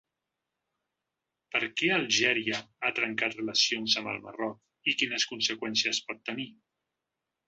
Per què Algèria ha trencat relacions amb el Marroc i quines conseqüències pot tenir?